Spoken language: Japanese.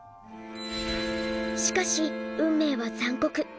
しかし運命は残酷。